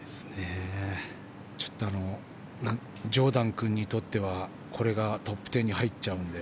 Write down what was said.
ちょっとジョーダン君にとってはこれがトップ１０に入っちゃうので。